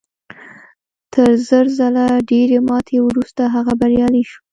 تر زر ځله ډېرې ماتې وروسته هغه بریالی شو